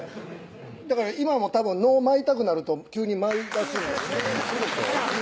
今もたぶん能を舞いたくなると急に舞いだすんですウソでしょ？